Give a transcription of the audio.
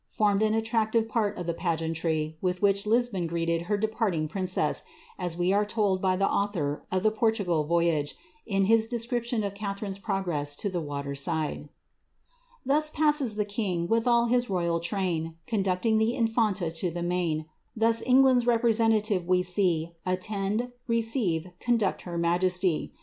— JP 918 CATHABIVB OV BMAQAMZAd formed an attractive part of the pageantry with which Lishoc her departing princeaa, as we are told by the author of the Portu age, in his description of Cktharine^s progress to the Mrater «idi Thus puMd the king, with all hit lojal train, Conducting the inianta to the main ; Thus England's representative we see Attend, receive, conduct her majesty.